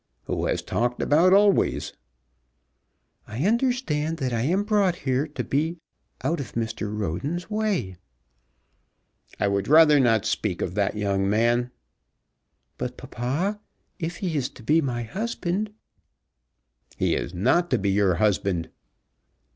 "Who has talked about always?" "I understand that I am brought here to be out of Mr. Roden's way." "I would rather not speak of that young man." "But, papa, if he is to be my husband " "He is not to be your husband."